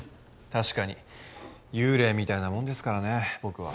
確かに幽霊みたいなもんですからね僕は。